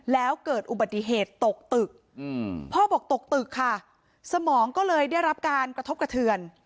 แล้วเกิดอุบัติเหตุตกตึกพ่อบอกตกตึกค่ะสมองก็เลยได้รับการกระทบกระเทือน